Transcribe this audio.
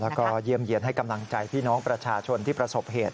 แล้วก็เยี่ยมเยี่ยนให้กำลังใจพี่น้องประชาชนที่ประสบเหตุ